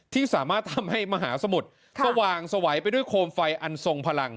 ที่สามารถทำให้มหาสมุทรสว่างสวัยไปด้วยโคมไฟอันทรงพลัง